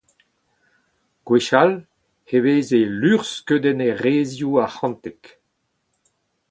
Gwechall e veze luc’hskeudennerezioù arc’hantek.